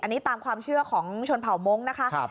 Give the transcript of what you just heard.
อันนี้ตามความเชื่อของชนเผ่ามงค์นะคะ